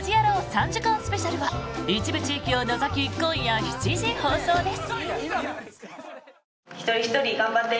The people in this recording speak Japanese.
３時間スペシャルは一部地域を除き今夜７時放送です。